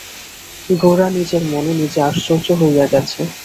গোরা নিজের মনে নিজে আশ্চর্য হইয়া গেছে।